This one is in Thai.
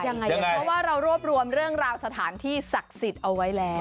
เพราะว่าเรารวบรวมเรื่องราวสถานที่ศักดิ์สิทธิ์เอาไว้แล้ว